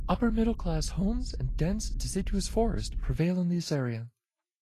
Upper-middle-class homes and dense deciduous forest prevail in this area.